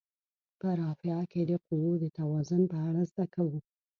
په رافعه کې د قوو د توازن په اړه زده کوو.